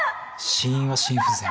死因は心不全。